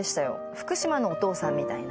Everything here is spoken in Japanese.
福島のお父さんみたいな。